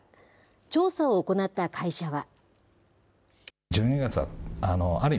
調査を行った会社は。